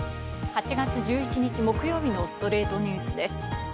８月１１日、木曜日の『ストレイトニュース』です。